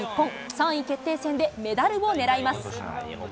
３位決定戦でメダルをねらいます。